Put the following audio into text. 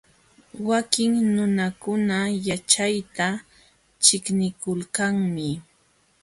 Wakin nunakuna yaćhayta ćhiqnikulkanmi.